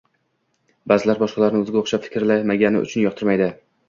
Ba'zilar boshqalarni o‘ziga o‘xshab fikrlamagani uchun yoqtirmaydi